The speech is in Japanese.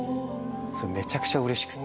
めちゃくちゃうれしくって。